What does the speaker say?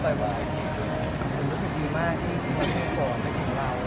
ก็จริงอย่างน้อยไม่ไหวจริงรู้สึกดีมากที่จริงฝ่าวันเป็นของเรา